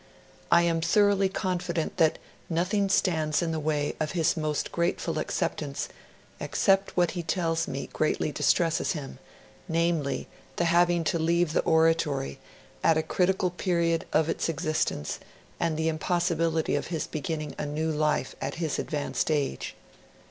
I am thoroughly confident that nothing stands in the way of his most grateful acceptance, except what he tells me greatly distresses him namely, the having to leave the Oratory at a critical period of its existence, and the impossibility of his beginning a new life at his advanced age.'